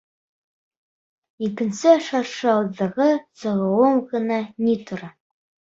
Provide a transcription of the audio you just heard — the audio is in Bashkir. Икенсе шаршауҙағы сығыуым ғына ни тора!